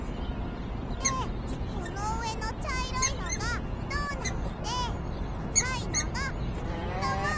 でそのうえのちゃいろいのがドーナツであかいのがけんだま。